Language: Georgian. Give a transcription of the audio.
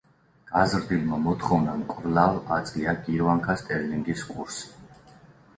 გაზრდილმა მოთხოვნამ კვლავ აწია გირვანქა სტერლინგის კურსი.